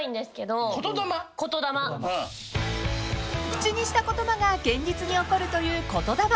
［口にした言葉が現実に起こるという言霊］